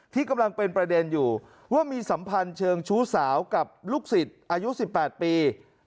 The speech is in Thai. ที่กำลังเป็นประเด็นอยู่ว่ามีสัมพันธ์เชิงชู้สาวกับลูกศิษย์อายุ๑๘ปี